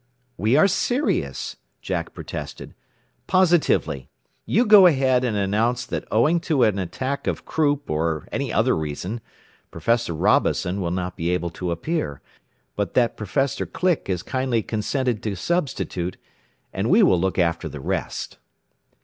"We are serious," Jack protested. "Positively. You go ahead and announce that owing to an attack of croup, or any other reason, Prof. Robison will not be able to appear, but that Prof. Click has kindly consented to substitute, and we will look after the rest."